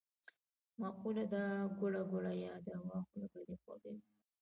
مقوله ده: ګوړه ګوړه یاده وه خوله به دی خوږه وي.